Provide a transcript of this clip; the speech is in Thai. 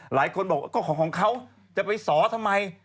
หลายคนบอกก็ของเขาจะไปสอทำไม